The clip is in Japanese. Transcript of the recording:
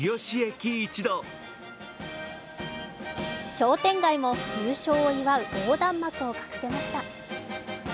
商店街も優勝を祝う横断幕を掲げました。